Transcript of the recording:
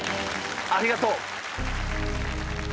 ありがとう。